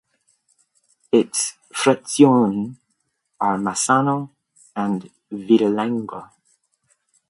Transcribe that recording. Its "frazioni" are Masano and Vidalengo.